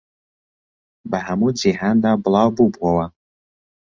بە هەموو جیهاندا بڵاو بووبووەوە